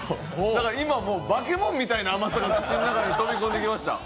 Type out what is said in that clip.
だから今、化け物みたいな甘さが口の中に飛び込んできました。